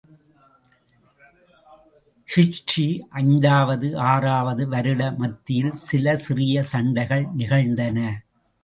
ஹிஜ்ரீ ஐந்தாவது, ஆறாவது வருட மத்தியில், சில சிறிய சண்டைகள் நிகழ்ந்தன.